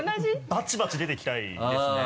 バチバチ出て行きたいですね。